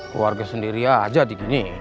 keluarga sendiri aja dikini